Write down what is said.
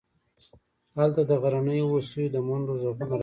هلته د غرنیو هوسیو د منډو غږونه راځي